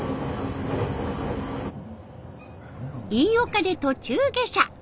飯岡で途中下車。